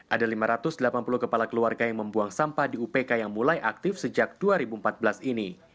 ada lima ratus delapan puluh kepala keluarga yang membuang sampah di upk yang mulai aktif sejak dua ribu empat belas ini